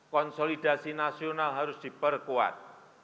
konsolidasi nasional harus diperkuat